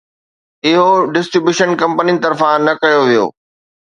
اهو ڊسٽريبيوشن ڪمپنين طرفان نه ڪيو ويو